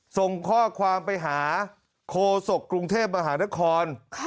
ส่งข้อความไปหาโคศกกรุงเทพมหานคร